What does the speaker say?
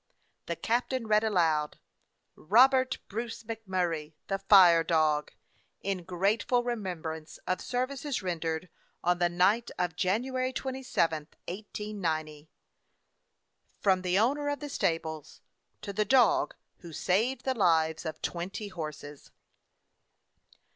The captain read aloud: Robert Bruce MacMurray, The Fire Dog. In grateful remembrance of services rendered on the night of January 27, 189 From [owner of stables] to the dog who saved the lives of twenty horses.